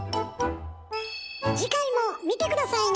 次回も見て下さいね！